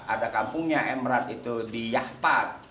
ada kampungnya emerald itu di yahpat